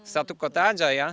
satu kota aja ya